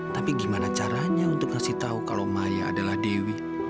tapi gimana caranya untuk ngasih tahu kalau maya adalah dewi